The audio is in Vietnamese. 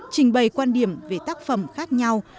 trình bày quan điểm về tác phẩm khác nhau